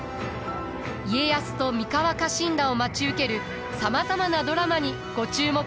家康と三河家臣団を待ち受けるさまざまなドラマにご注目ください。